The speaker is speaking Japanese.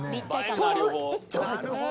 豆腐１丁入ってます。